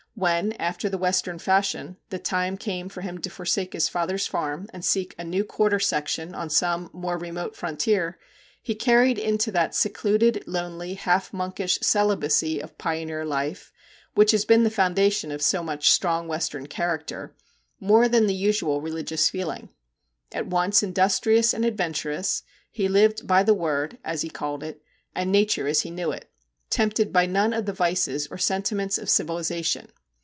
When, after the Western fashion, the time came for him to forsake his father's farm and seek a new * quarter section' on some more remote frontier, he carried into that secluded, lonely, half monkish celibacy of pioneer life which has been the foundation of so much strong Western character more than the usual re ligious feeling. At once industrious and adventurous, he lived by 'the Word/ as he called it, and Nature as he knew it tempted by none of the vices or sentiments of civilisa tion.